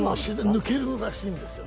抜けるらしいんですよ。